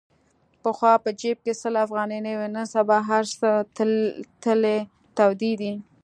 پخوا په جیب کې سل افغانۍ نه وې. نن سبا هرڅه تلې تودې دي.